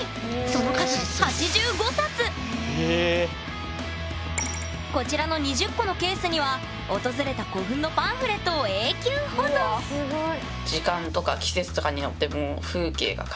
その数こちらの２０個のケースには訪れた古墳のパンフレットを永久保存すごい。